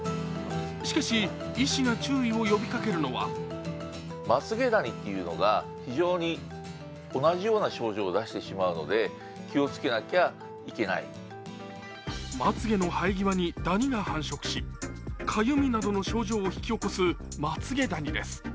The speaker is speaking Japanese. しかし、医師が注意を呼びかけるのはまつげの生え際にダニが繁殖しかゆみなどの症状を引き起こす、まつげダニです。